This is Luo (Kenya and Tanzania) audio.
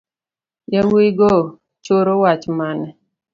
Yawuigo choro wach mane.